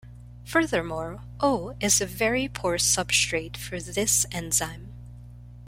Furthermore, O is a very poor substrate for this enzyme.